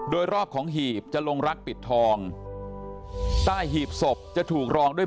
โดยรอบของหีบจะลงรักปิดทองใต้หีบศพจะถูกรองด้วย